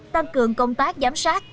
tăng cường công tác giám sát